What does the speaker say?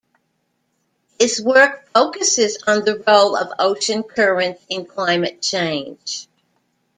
His work focuses on the role of ocean currents in climate change.